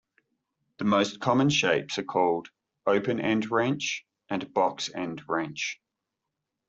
The most common shapes are called "open-end wrench" and "box-end wrench".